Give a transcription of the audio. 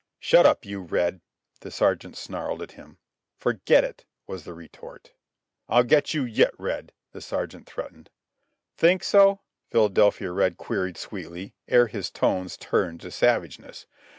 "Shut up, you, Red," the sergeant snarled at him. "Forget it," was the retort. "I'll get you yet, Red," the sergeant threatened. "Think so?" Philadelphia Red queried sweetly, ere his tones turned to savageness.